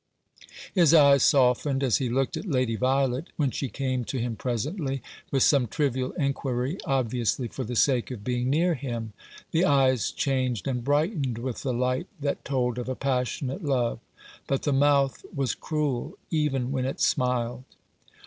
290 For the Happiness of the Greatest Number. His eyes softened as he looked at Lady Violet, when she came to him presently, with some trivial inquiry, obviously for the sake of being near him. The eyes changed and brightened with the light that told of a passionate love ; but the mouth was cruel, even when it smiled.